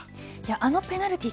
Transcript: あのペナルティー